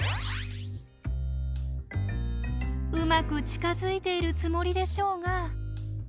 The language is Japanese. うまく近づいているつもりでしょうが。